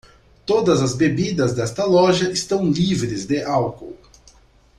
Todas as bebidas desta loja estão livres de álcool.